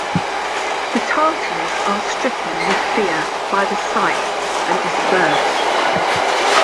The Tatars are stricken with fear by the sight and disperse.